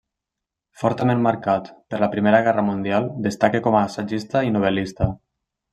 Fortament marcat per la Primera Guerra Mundial destaca com a assagista i novel·lista.